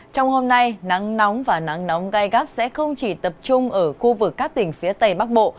trong hôm nay nắng nóng và nắng nóng gai gắt sẽ không chỉ tập trung ở khu vực các tỉnh phía tây bắc bộ